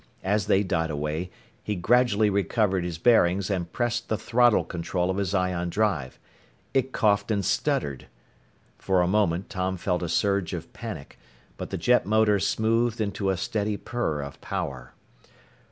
As they died away, he gradually recovered his bearings and pressed the throttle control of his ion drive. It coughed and stuttered! For a moment Tom felt a surge of panic, but the jet motor smoothed into a steady purr of power.